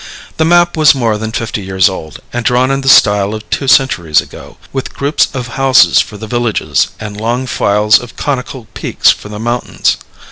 The map was more than fifty years old, and drawn in the style of two centuries ago, with groups of houses for the villages, and long files of conical peaks for the mountains.